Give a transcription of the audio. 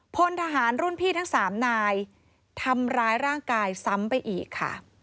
พลทหารรุ่นพี่ทั้ง๓นายทำร้ายร่างกายซ้ำไปอีกค่ะ